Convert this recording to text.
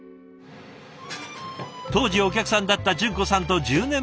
当時お客さんだった純子さんと１０年前に結婚。